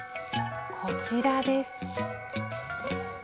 こちらです。